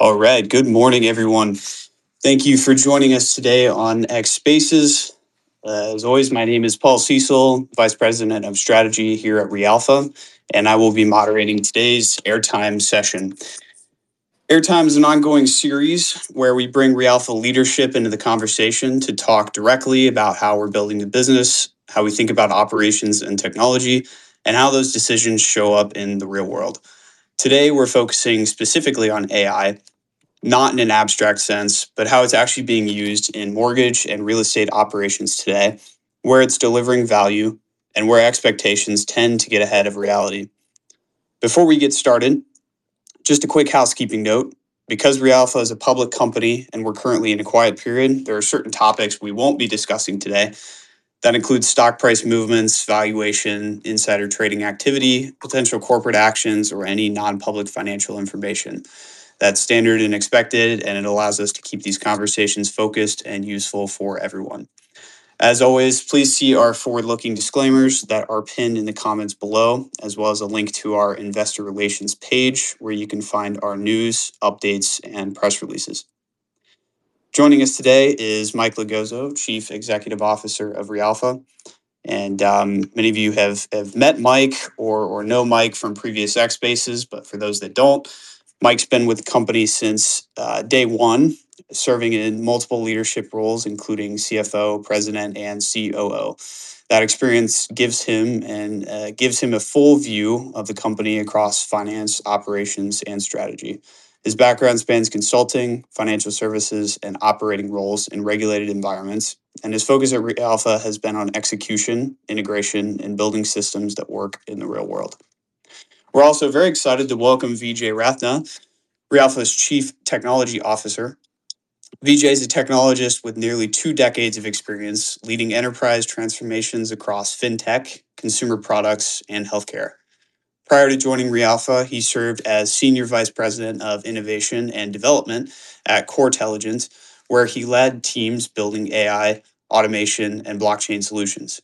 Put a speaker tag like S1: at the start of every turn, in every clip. S1: All right, good morning, everyone. Thank you for joining us today on X Spaces. As always, my name is Paul Cecil, Vice President of Strategy here at ReAlpha, and I will be moderating today's Airtime session. Airtime is an ongoing series where we bring ReAlpha leadership into the conversation to talk directly about how we're building the business, how we think about operations and technology, and how those decisions show up in the real world. Today, we're focusing specifically on AI, not in an abstract sense, but how it's actually being used in mortgage and real estate operations today, where it's delivering value and where expectations tend to get ahead of reality. Before we get started, just a quick housekeeping note: because ReAlpha is a public company and we're currently in a quiet period, there are certain topics we won't be discussing today that include stock price movements, valuation, insider trading activity, potential corporate actions, or any non-public financial information. That's standard and expected, and it allows us to keep these conversations focused and useful for everyone. As always, please see our forward-looking disclaimers that are pinned in the comments below, as well as a link to our investor relations page where you can find our news, updates, and press releases. Joining us today is Mike Logozzo, Chief Executive Officer of ReAlpha. Many of you have met Mike or know Mike from previous X Spaces, but for those that don't, Mike's been with the company since day one, serving in multiple leadership roles, including CFO, president, and COO. That experience gives him a full view of the company across finance, operations, and strategy. His background spans consulting, financial services, and operating roles in regulated environments, and his focus at ReAlpha has been on execution, integration, and building systems that work in the real world. We're also very excited to welcome Vijay Ratnakar, ReAlpha's Chief Technology Officer. Vijay is a technologist with nearly two decades of experience leading enterprise transformations across fintech, consumer products, and healthcare. Prior to joining ReAlpha, he served as Senior Vice President of Innovation and Development at CoreLogic, where he led teams building AI, automation, and blockchain solutions.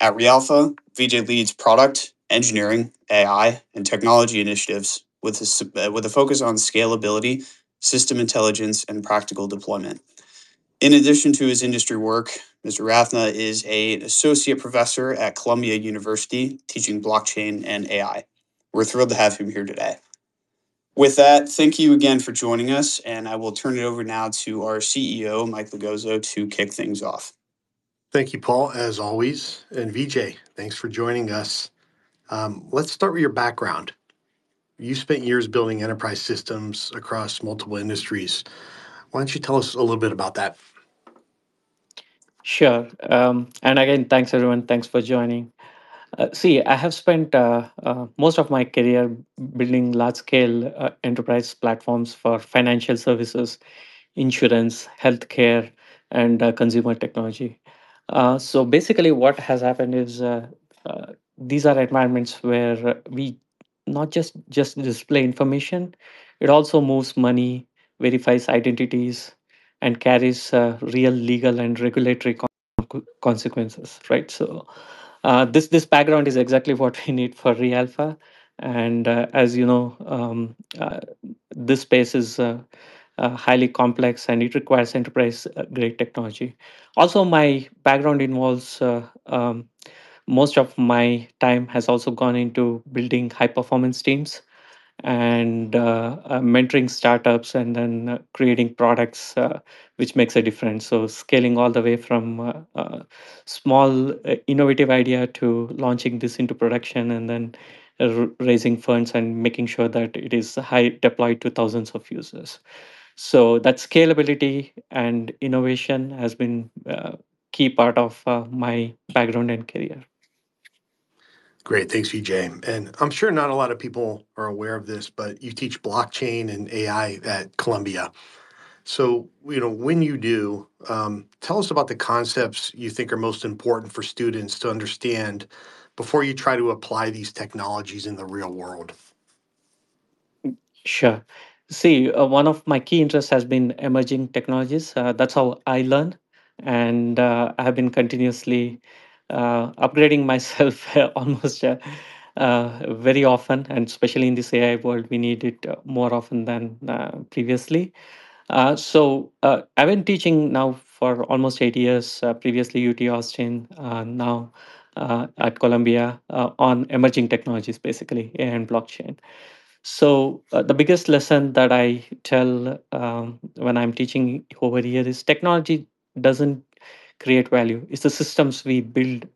S1: At ReAlpha, Vijay leads product, engineering, AI, and technology initiatives with a focus on scalability, system intelligence, and practical deployment. In addition to his industry work, Mr. Ratnakar is an Associate Professor at Columbia University, teaching blockchain and AI. We're thrilled to have him here today. With that, thank you again for joining us, and I will turn it over now to our CEO, Mike Logozzo, to kick things off.
S2: Thank you, Paul, as always. And Vijay, thanks for joining us. Let's start with your background. You spent years building enterprise systems across multiple industries. Why don't you tell us a little bit about that?
S3: Sure. And again, thanks, everyone. Thanks for joining. See, I have spent most of my career building large-scale enterprise platforms for financial services, insurance, healthcare, and consumer technology. So basically, what has happened is these are environments where we not just display information, it also moves money, verifies identities, and carries real legal and regulatory consequences. Right? So this background is exactly what we need for ReAlpha. And as you know, this space is highly complex, and it requires enterprise-grade technology. Also, my background involves most of my time has also gone into building high-performance teams and mentoring startups and then creating products, which makes a difference. So scaling all the way from a small innovative idea to launching this into production and then raising funds and making sure that it is deployed to thousands of users. That scalability and innovation has been a key part of my background and career.
S2: Great. Thanks, Vijay. And I'm sure not a lot of people are aware of this, but you teach blockchain and AI at Columbia. So when you do, tell us about the concepts you think are most important for students to understand before you try to apply these technologies in the real world?
S3: Sure. See, one of my key interests has been emerging technologies. That's how I learn, and I have been continuously upgrading myself almost very often, and especially in this AI world, we need it more often than previously. So I've been teaching now for almost eight years, previously UT Austin, now at Columbia on emerging technologies, basically, and blockchain, so the biggest lesson that I tell when I'm teaching over the years is technology doesn't create value. It's the systems we build,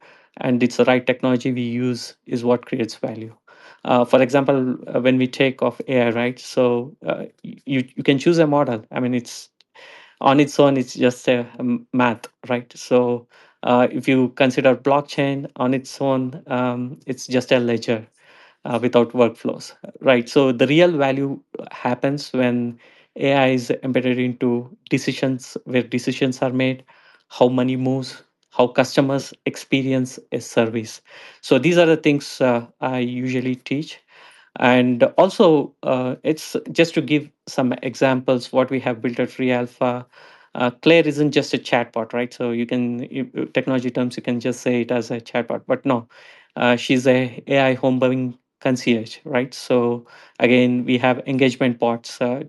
S3: and it's the right technology we use is what creates value. For example, when we take off AI, right, so you can choose a model. I mean, on its own, it's just math, right? So if you consider blockchain on its own, it's just a ledger without workflows, right? So the real value happens when AI is embedded into decisions, where decisions are made, how money moves, how customers experience a service. So these are the things I usually teach. And also, just to give some examples of what we have built at ReAlpha, Claire isn't just a chatbot, right? So in technology terms, you can just say it as a chatbot. But no, she's an AI homebuying concierge, right? So again, we have engagement bots to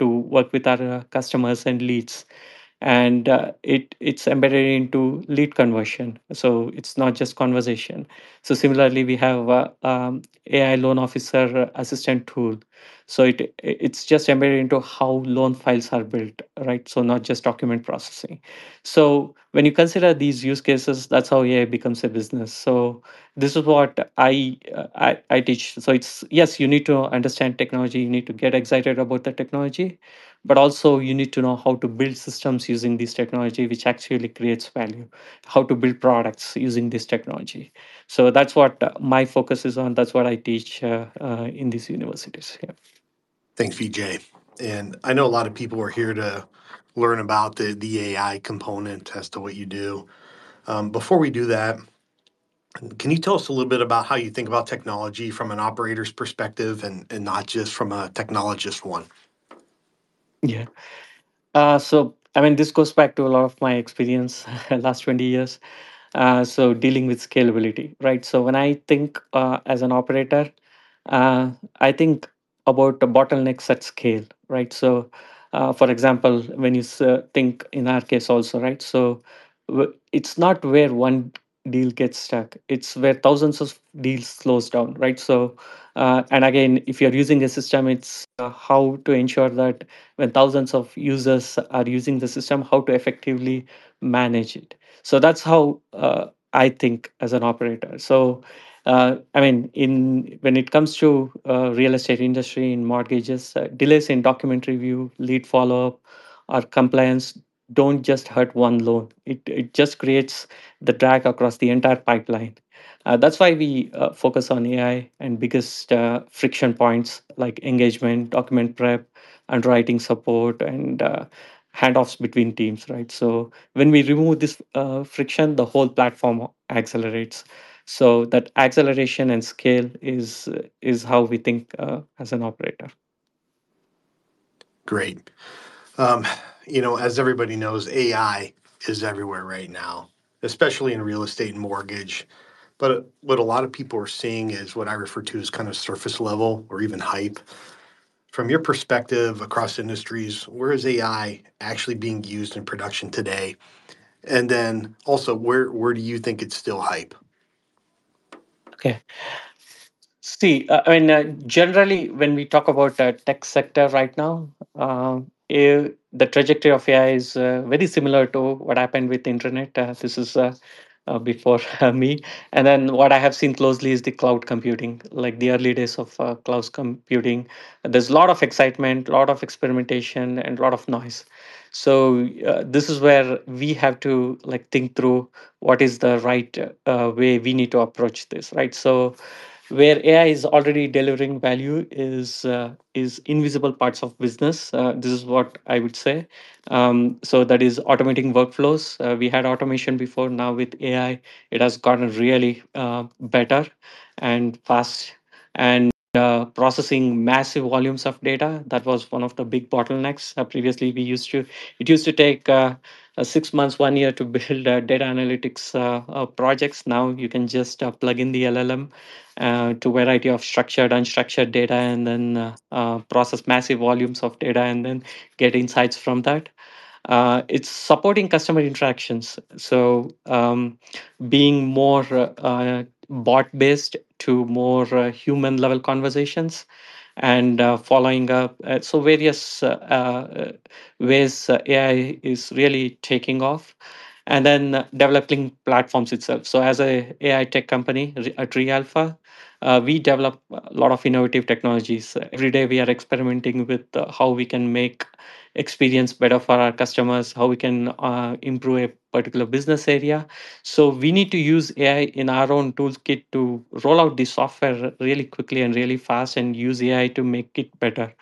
S3: work with our customers and leads. And it's embedded into lead conversion. So it's not just conversation. So similarly, we have an AI loan officer assistant tool. So it's just embedded into how loan files are built, right? So not just document processing. So when you consider these use cases, that's how AI becomes a business. So this is what I teach. So yes, you need to understand technology. You need to get excited about the technology. But also, you need to know how to build systems using this technology, which actually creates value, how to build products using this technology. So that's what my focus is on. That's what I teach in these universities.
S2: Thanks, Vijay. And I know a lot of people are here to learn about the AI component as to what you do. Before we do that, can you tell us a little bit about how you think about technology from an operator's perspective and not just from a technologist one?
S3: Yeah. So I mean, this goes back to a lot of my experience in the last 20 years, so dealing with scalability, right? So when I think as an operator, I think about bottlenecks at scale, right? So for example, when you think in our case also, right, so it's not where one deal gets stuck. It's where thousands of deals slow down, right? And again, if you're using a system, it's how to ensure that when thousands of users are using the system, how to effectively manage it. So that's how I think as an operator. So I mean, when it comes to the real estate industry and mortgages, delays in document review, lead follow-up, or compliance don't just hurt one loan. It just creates the drag across the entire pipeline. That's why we focus on AI and biggest friction points like engagement, document prep, underwriting support, and handoffs between teams, right? So when we remove this friction, the whole platform accelerates. So that acceleration and scale is how we think as an operator.
S2: Great. As everybody knows, AI is everywhere right now, especially in real estate and mortgage. But what a lot of people are seeing is what I refer to as kind of surface-level or even hype. From your perspective across industries, where is AI actually being used in production today? And then also, where do you think it's still hype?
S3: Okay. See, I mean, generally, when we talk about the tech sector right now, the trajectory of AI is very similar to what happened with the internet. This is before me. And then what I have seen closely is the cloud computing, like the early days of cloud computing. There's a lot of excitement, a lot of experimentation, and a lot of noise. So this is where we have to think through what is the right way we need to approach this, right? So where AI is already delivering value is invisible parts of business. This is what I would say. So that is automating workflows. We had automation before. Now with AI, it has gotten really better and fast. And processing massive volumes of data, that was one of the big bottlenecks previously we used to. It used to take six months, one year to build data analytics projects. Now you can just plug in the LLM to a variety of structured, unstructured data and then process massive volumes of data and then get insights from that. It's supporting customer interactions, so being more bot-based to more human-level conversations and following up. So various ways AI is really taking off. And then developing platforms itself. So as an AI tech company at ReAlpha, we develop a lot of innovative technologies. Every day, we are experimenting with how we can make experience better for our customers, how we can improve a particular business area. So we need to use AI in our own toolkit to roll out the software really quickly and really fast and use AI to make it better.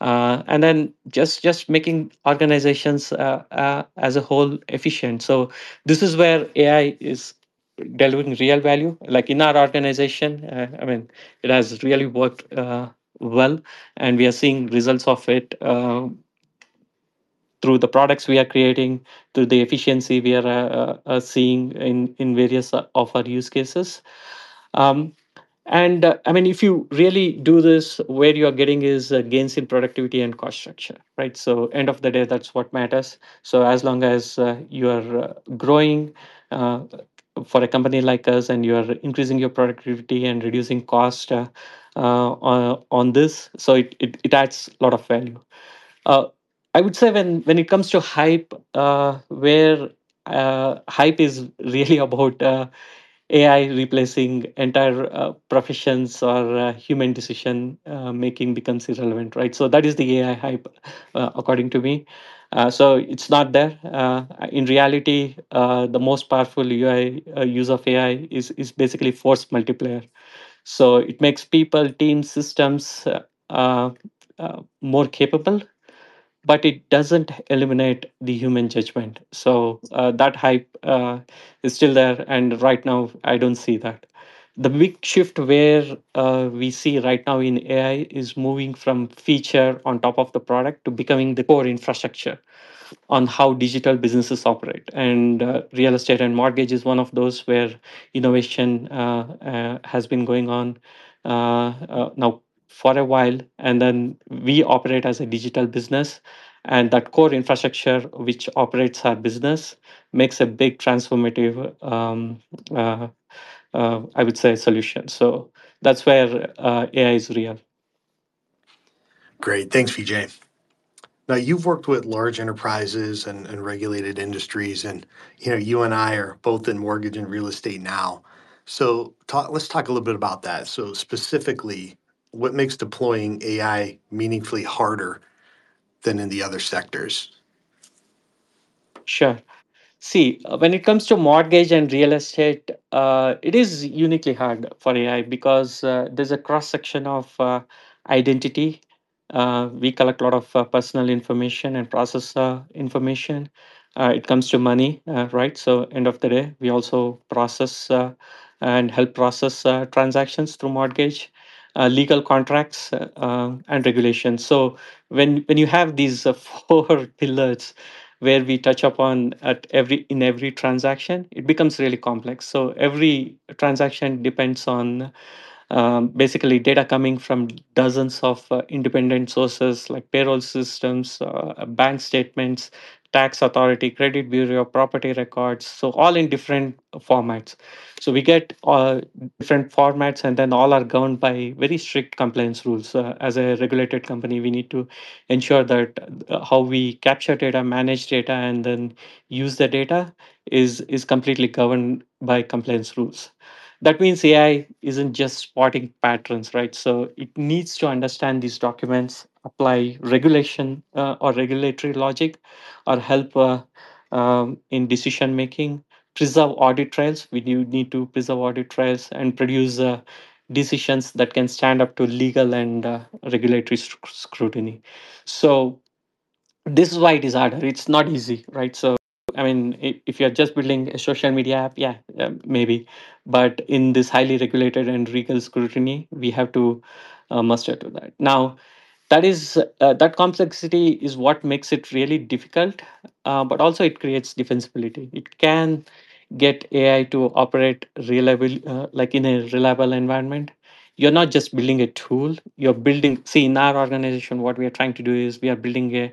S3: And then just making organizations as a whole efficient. So this is where AI is delivering real value. Like in our organization, I mean, it has really worked well. And we are seeing results of it through the products we are creating, through the efficiency we are seeing in various of our use cases. And I mean, if you really do this, where you're getting is gains in productivity and cost structure, right? So end of the day, that's what matters. So as long as you are growing for a company like us and you are increasing your productivity and reducing cost on this, so it adds a lot of value. I would say when it comes to hype, where hype is really about AI replacing entire professions or human decision-making becomes irrelevant, right? So that is the AI hype according to me. So it's not there. In reality, the most powerful use of AI is basically force multiplier. So it makes people, teams, systems more capable, but it doesn't eliminate the human judgment. So that hype is still there. And right now, I don't see that. The big shift where we see right now in AI is moving from feature on top of the product to becoming the core infrastructure on how digital businesses operate. And real estate and mortgage is one of those where innovation has been going on now for a while. And then we operate as a digital business. And that core infrastructure which operates our business makes a big transformative, I would say, solution. So that's where AI is real.
S2: Great. Thanks, Vijay. Now, you've worked with large enterprises and regulated industries, and you and I are both in mortgage and real estate now, so let's talk a little bit about that, so specifically, what makes deploying AI meaningfully harder than in the other sectors?
S3: Sure. See, when it comes to mortgage and real estate, it is uniquely hard for AI because there's a cross-section of identity. We collect a lot of personal information and process information. It comes to money, right? So end of the day, we also process and help process transactions through mortgage, legal contracts, and regulations. So when you have these four pillars where we touch upon in every transaction, it becomes really complex. So every transaction depends on basically data coming from dozens of independent sources like payroll systems, bank statements, tax authority, credit bureau, property records, so all in different formats. So we get different formats, and then all are governed by very strict compliance rules. As a regulated company, we need to ensure that how we capture data, manage data, and then use the data is completely governed by compliance rules. That means AI isn't just spotting patterns, right? So it needs to understand these documents, apply regulation or regulatory logic, or help in decision-making, preserve audit trails. We do need to preserve audit trails and produce decisions that can stand up to legal and regulatory scrutiny. So this is why it is harder. It's not easy, right? So I mean, if you're just building a social media app, yeah, maybe, but in this highly regulated and regulatory scrutiny, we have to measure up to that. Now, that complexity is what makes it really difficult, but also it creates defensibility. It can get AI to operate in a reliable environment. You're not just building a tool. You're building, see, in our organization, what we are trying to do is we are building a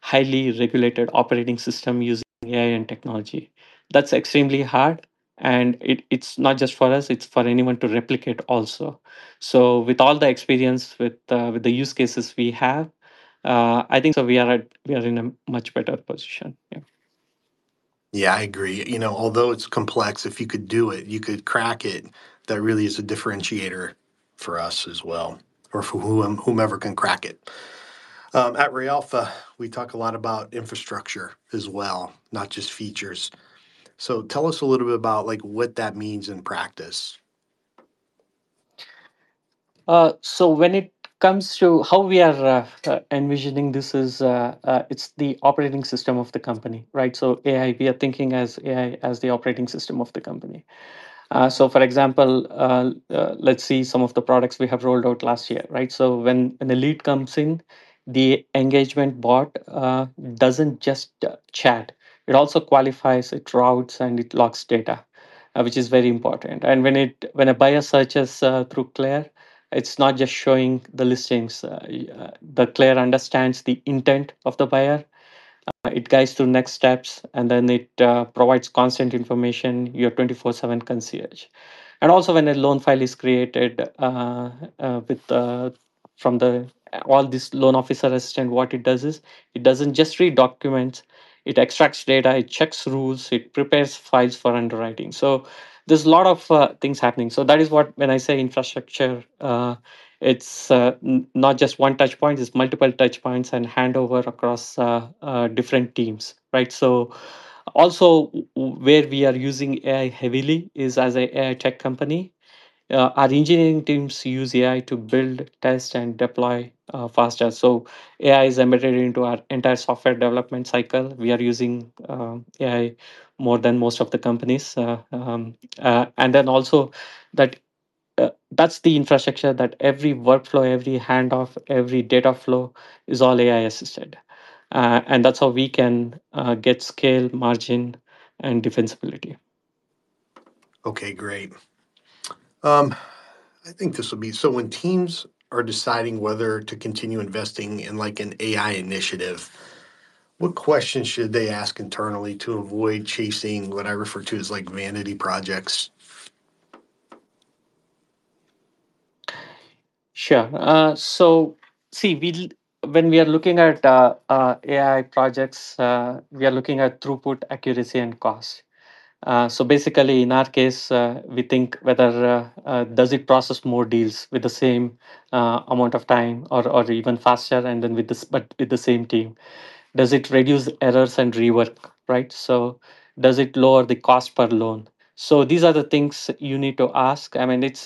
S3: highly regulated operating system using AI and technology. That's extremely hard, and it's not just for us. It's for anyone to replicate also, so with all the experience with the use cases we have, I think we are in a much better position.
S2: Yeah, I agree. Although it's complex, if you could do it, you could crack it. That really is a differentiator for us as well, or for whomever can crack it. At ReAlpha, we talk a lot about infrastructure as well, not just features. So tell us a little bit about what that means in practice.
S3: So when it comes to how we are envisioning this, it's the operating system of the company, right? So AI, we are thinking of AI as the operating system of the company. So for example, let's see some of the products we have rolled out last year, right? So when a lead comes in, the engagement bot doesn't just chat. It also qualifies routes and it logs data, which is very important. And when a buyer searches through Claire, it's not just showing the listings. Claire understands the intent of the buyer. It guides through next steps, and then it provides constant information, your 24/7 concierge. And also, when a loan file is created from all this loan officer assistant, what it does is it doesn't just read documents. It extracts data. It checks rules. It prepares files for underwriting. So there's a lot of things happening. So that is what, when I say infrastructure, it's not just one touchpoint. It's multiple touchpoints and handover across different teams, right? So also, where we are using AI heavily is as an AI tech company. Our engineering teams use AI to build, test, and deploy faster. So AI is embedded into our entire software development cycle. We are using AI more than most of the companies. And then also, that's the infrastructure that every workflow, every handoff, every data flow is all AI assisted. And that's how we can get scale, margin, and defensibility.
S2: Okay, great. I think this will be so when teams are deciding whether to continue investing in an AI initiative, what questions should they ask internally to avoid chasing what I refer to as vanity projects?
S3: Sure. So see, when we are looking at AI projects, we are looking at throughput, accuracy, and cost. So basically, in our case, we think whether does it process more deals with the same amount of time or even faster, and then with the same team. Does it reduce errors and rework, right? So does it lower the cost per loan? So these are the things you need to ask. I mean, it's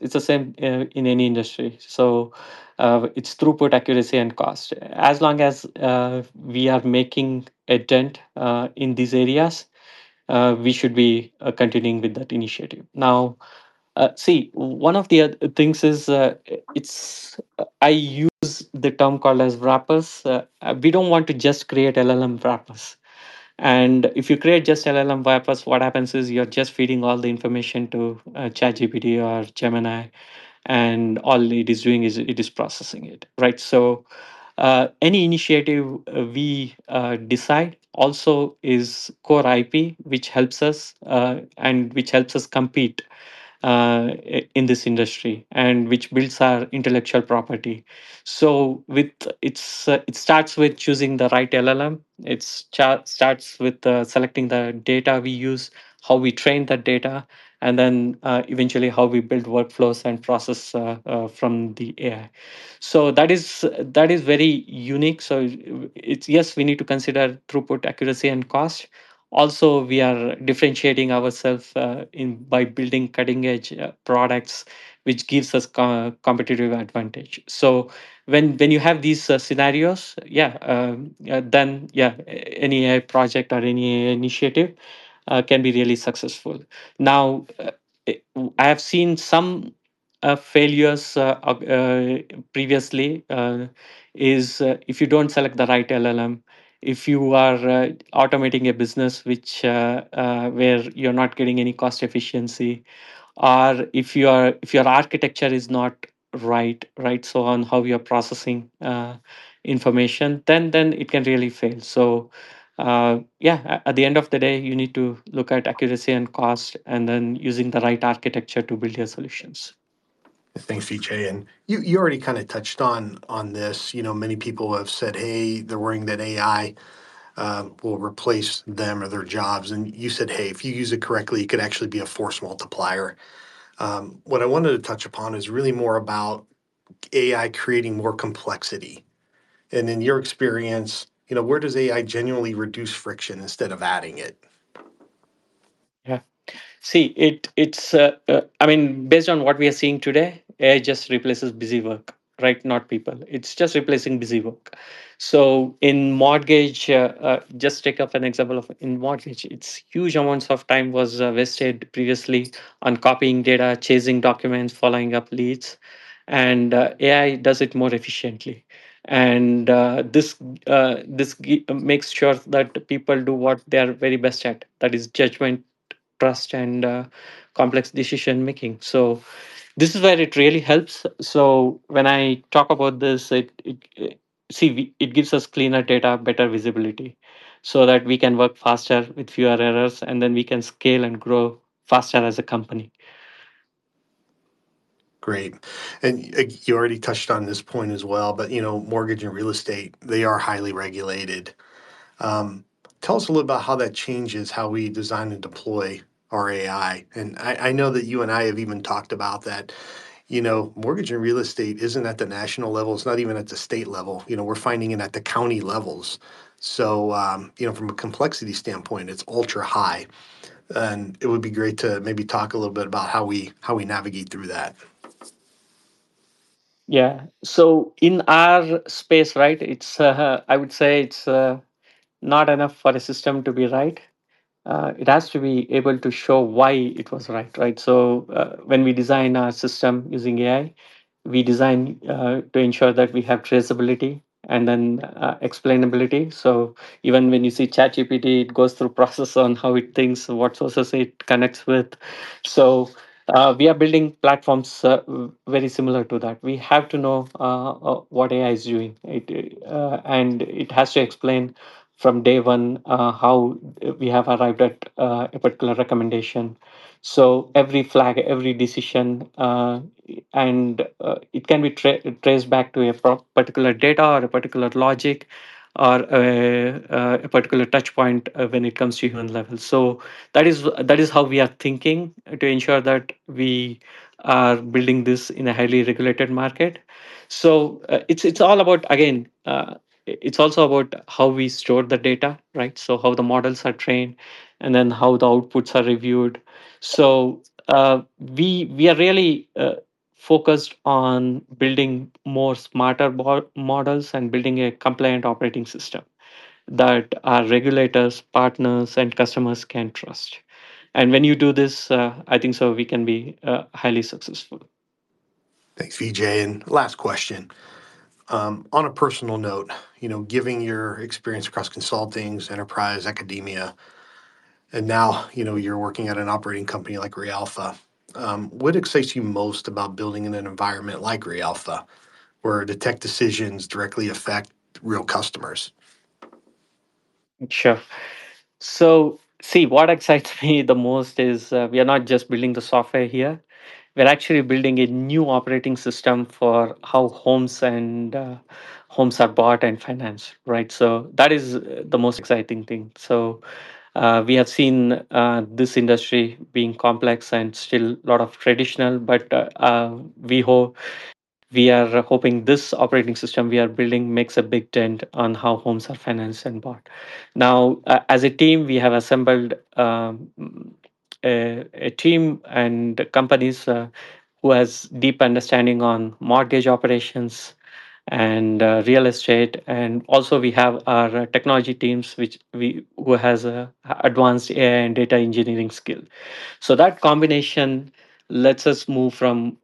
S3: the same in any industry. So it's throughput, accuracy, and cost. As long as we are making a dent in these areas, we should be continuing with that initiative. Now, see, one of the things is I use the term called as wrappers. We don't want to just create LLM wrappers. And if you create just LLM wrappers, what happens is you're just feeding all the information to ChatGPT or Gemini. And all it is doing is it is processing it, right? So any initiative we decide also is core IP, which helps us and which helps us compete in this industry and which builds our intellectual property. So it starts with choosing the right LLM. It starts with selecting the data we use, how we train that data, and then eventually how we build workflows and process from the AI. So that is very unique. So yes, we need to consider throughput, accuracy, and cost. Also, we are differentiating ourselves by building cutting-edge products, which gives us competitive advantage. So when you have these scenarios, yeah, then yeah, any AI project or any initiative can be really successful. Now, I have seen some failures previously if you don't select the right LLM, if you are automating a business where you're not getting any cost efficiency, or if your architecture is not right, right? So, on how you're processing information, then it can really fail. So yeah, at the end of the day, you need to look at accuracy and cost and then using the right architecture to build your solutions.
S2: Thanks, Vijay. And you already kind of touched on this. Many people have said, hey, they're worrying that AI will replace them or their jobs. And you said, hey, if you use it correctly, it could actually be a force multiplier. What I wanted to touch upon is really more about AI creating more complexity. And in your experience, where does AI genuinely reduce friction instead of adding it?
S3: Yeah. See, I mean, based on what we are seeing today, AI just replaces busy work, right? Not people. It's just replacing busy work. So in mortgage, just take up an example of in mortgage, it's huge amounts of time was wasted previously on copying data, chasing documents, following up leads. And AI does it more efficiently. And this makes sure that people do what they are very best at. That is judgment, trust, and complex decision-making. So this is where it really helps. So when I talk about this, see, it gives us cleaner data, better visibility so that we can work faster with fewer errors, and then we can scale and grow faster as a company.
S2: Great, and you already touched on this point as well, but mortgage and real estate, they are highly regulated. Tell us a little about how that changes how we design and deploy our AI, and I know that you and I have even talked about that. Mortgage and real estate isn't at the national level. It's not even at the state level. We're finding it at the county levels, so from a complexity standpoint, it's ultra high, and it would be great to maybe talk a little bit about how we navigate through that.
S3: Yeah. So in our space, right, I would say it's not enough for a system to be right. It has to be able to show why it was right, right? So when we design our system using AI, we design to ensure that we have traceability and then explainability. So even when you see ChatGPT, it goes through process on how it thinks, what sources it connects with. So we are building platforms very similar to that. We have to know what AI is doing. And it has to explain from day one how we have arrived at a particular recommendation. So every flag, every decision, and it can be traced back to a particular data or a particular logic or a particular touchpoint when it comes to human level. So that is how we are thinking to ensure that we are building this in a highly regulated market. So it's all about, again, it's also about how we store the data, right? So how the models are trained and then how the outputs are reviewed. So we are really focused on building more smarter models and building a compliant operating system that our regulators, partners, and customers can trust. And when you do this, I think so we can be highly successful.
S2: Thanks, Vijay. And last question. On a personal note, given your experience across consultings, enterprise, academia, and now you're working at an operating company like ReAlpha, what excites you most about building in an environment like ReAlpha where the tech decisions directly affect real customers?
S3: Sure. So see, what excites me the most is we are not just building the software here. We're actually building a new operating system for how homes are bought and financed, right? So that is the most exciting thing. We have seen this industry being complex and still a lot of traditional, but we are hoping this operating system we are building makes a big dent on how homes are financed and bought. Now, as a team, we have assembled a team and companies who have deep understanding on mortgage operations and real estate. And also, we have our technology teams who have advanced AI and data engineering skills. So that combination lets us move from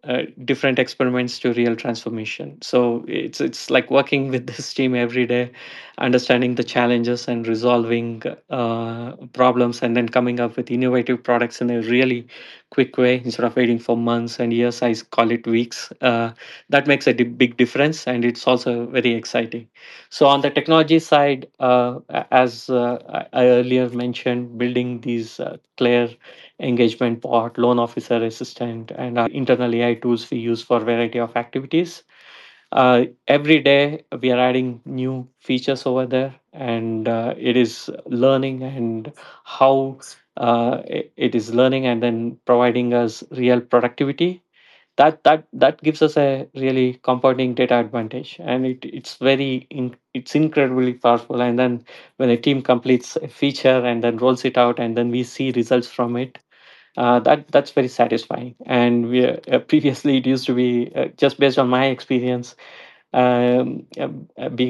S3: different experiments to real transformation. So it's like working with this team every day, understanding the challenges and resolving problems, and then coming up with innovative products in a really quick way instead of waiting for months and years. I call it weeks. That makes a big difference, and it's also very exciting. So on the technology side, as I earlier mentioned, building these Claire engagement board, loan officer assistant, and internal AI tools we use for a variety of activities. Every day, we are adding new features over there, and it is learning and how it is learning and then providing us real productivity. That gives us a really compounding data advantage, and it's incredibly powerful. And then when a team completes a feature and then rolls it out, and then we see results from it, that's very satisfying. And, previously, it used to be just based on my experience being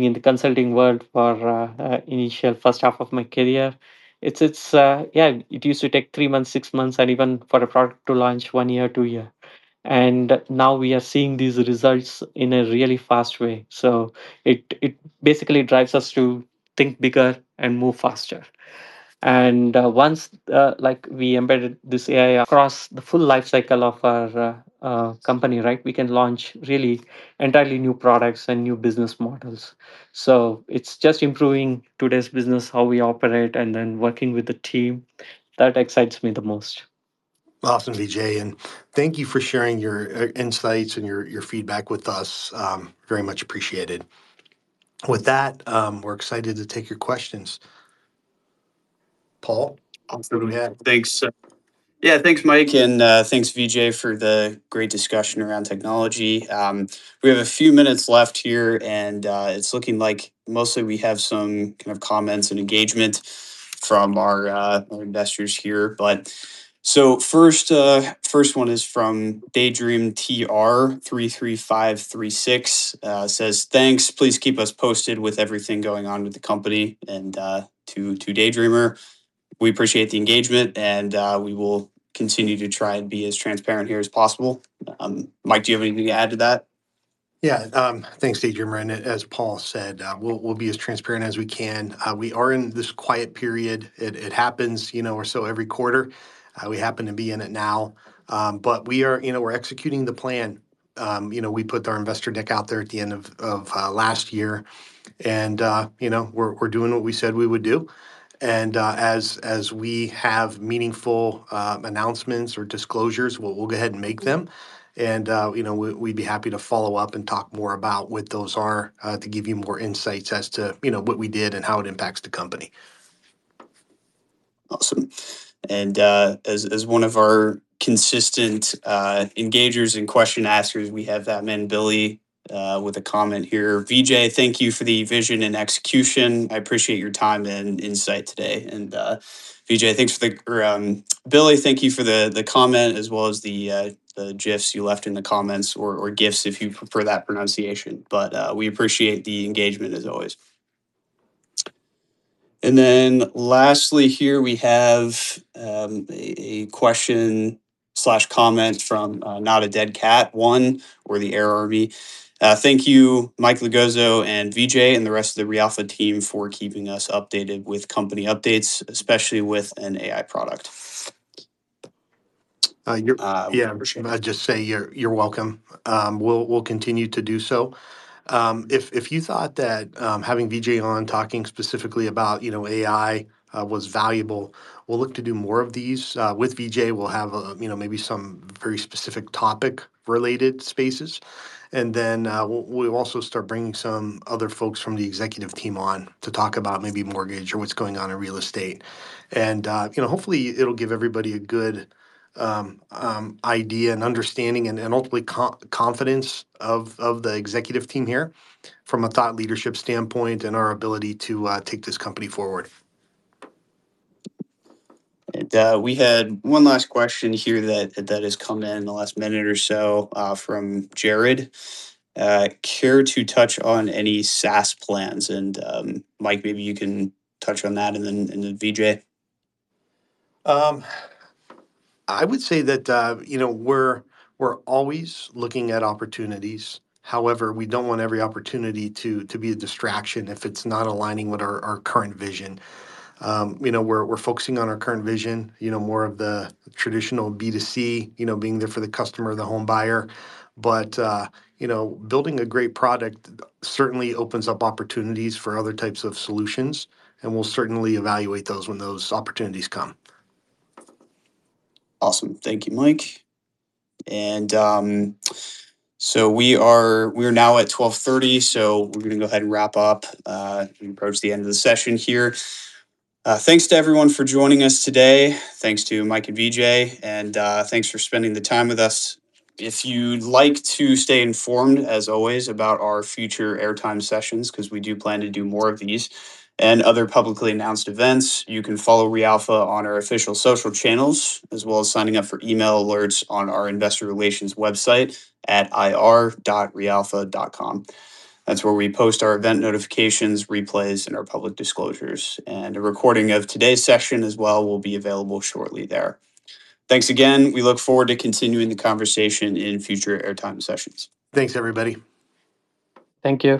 S3: in the consulting world for the initial first half of my career. Yeah, it used to take three months, six months, and even for a product to launch one year, two years. And now we are seeing these results in a really fast way. So it basically drives us to think bigger and move faster. And once we embedded this AI across the full lifecycle of our company, right, we can launch really entirely new products and new business models. So it's just improving today's business, how we operate, and then working with the team. That excites me the most.
S2: Awesome, Vijay. And thank you for sharing your insights and your feedback with us. Very much appreciated. With that, we're excited to take your questions. Paul?
S1: Awesome. Yeah, thanks. Yeah, thanks, Mike. And thanks, Vijay, for the great discussion around technology. We have a few minutes left here, and it's looking like mostly we have some kind of comments and engagement from our investors here. So first one is from Daydream TR33536. It says, "Thanks. Please keep us posted with everything going on with the company and to Daydreamer." We appreciate the engagement, and we will continue to try and be as transparent here as possible. Mike, do you have anything to add to that?
S2: Yeah. Thanks, Daydream. And as Paul said, we'll be as transparent as we can. We are in this quiet period. It happens or so every quarter. We happen to be in it now. But we're executing the plan. We put our investor deck out there at the end of last year, and we're doing what we said we would do. And as we have meaningful announcements or disclosures, we'll go ahead and make them. And we'd be happy to follow up and talk more about what those are to give you more insights as to what we did and how it impacts the company.
S1: Awesome. And as one of our consistent engagers and question askers, we have that man, Billy, with a comment here. Vijay, thank you for the vision and execution. I appreciate your time and insight today. And Vijay, thanks for the Billy, thank you for the comment as well as the GIFs you left in the comments or GIFs if you prefer that pronunciation. But we appreciate the engagement as always. And then lastly here, we have a question/comment from Not a Dead Cat One or the Air Army. Thank you, Mike Logozzo and Vijay and the rest of the ReAlpha team for keeping us updated with company updates, especially with an AI product.
S2: Yeah, I'm just going to say you're welcome. We'll continue to do so. If you thought that having Vijay on talking specifically about AI was valuable, we'll look to do more of these. With Vijay, we'll have maybe some very specific topic-related spaces. And then we'll also start bringing some other folks from the executive team on to talk about maybe mortgage or what's going on in real estate. And hopefully, it'll give everybody a good idea and understanding and ultimately confidence of the executive team here from a thought leadership standpoint and our ability to take this company forward.
S1: And we had one last question here that has come in in the last minute or so from Jared. Care to touch on any SaaS plans? And Mike, maybe you can touch on that and then Vijay.
S2: I would say that we're always looking at opportunities. However, we don't want every opportunity to be a distraction if it's not aligning with our current vision. We're focusing on our current vision, more of the traditional B2C, being there for the customer, the home buyer. But building a great product certainly opens up opportunities for other types of solutions, and we'll certainly evaluate those when those opportunities come.
S1: Awesome. Thank you, Mike. And so we are now at 12:30 P.M., so we're going to go ahead and wrap up. We approach the end of the session here. Thanks to everyone for joining us today. Thanks to Mike and Vijay, and thanks for spending the time with us. If you'd like to stay informed, as always, about our future Airtime sessions, because we do plan to do more of these and other publicly announced events, you can follow ReAlpha on our official social channels as well as signing up for email alerts on our investor relations website at ir.realpha.com. That's where we post our event notifications, replays, and our public disclosures. And a recording of today's session as well will be available shortly there. Thanks again. We look forward to continuing the conversation in future Airtime sessions.
S2: Thanks, everybody.
S3: Thank you.